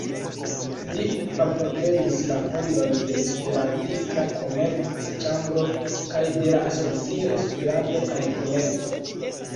Li partoprenis la fondon de "Esperantista Komerc-ĉambro" kaj de la asocio "Esperanto kaj komerco".